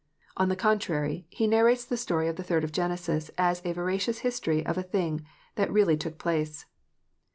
On the contrary, he narrates the story of the third of Genesis as a veracious history of a thing that really took place.